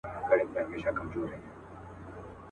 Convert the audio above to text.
په يوه گړي كي جوړه هنگامه سوه .